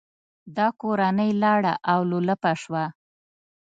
دا کورنۍ لاړه او لولپه شوه.